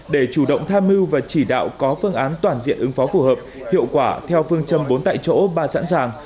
để chủ động tham mưu và chỉ đạo có phương án toàn diện ứng phó phù hợp hiệu quả theo phương châm bốn tại chỗ ba sẵn sàng